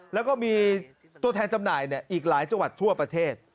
แล้วก็มีตัวแทนจำหน่ายอีกหลายจังหวัดทั่วประเทศ